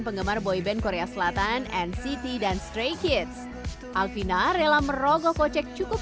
penggemar boy band korea selatan encc dan stray kids alfina rela merogoh kocek cukup